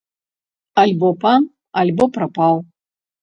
Альбо пан, альбо прапаў.